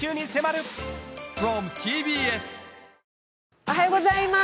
おはようございます。